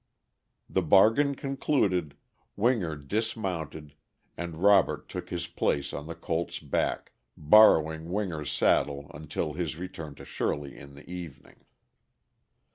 The bargain concluded, Winger dismounted and Robert took his place on the colt's back, borrowing Winger's saddle until his return to Shirley in the evening.